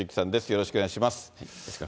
よろしくお願いします。